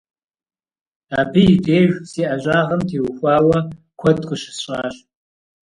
Абы и деж си ӀэщӀагъэм теухуауэ куэд къыщысщӀащ.